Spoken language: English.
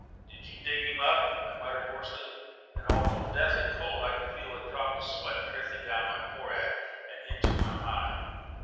"Did you dig him up?" I muttered hoarsely; and although deathly cold I could feel a drop of sweat trickling down my forehead and into my eye.